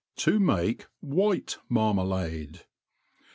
To fnake Wh^te Marmalade.